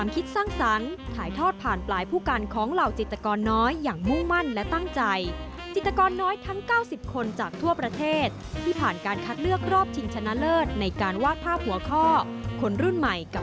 ติดตามบรรยากาศจากรายงานค่ะ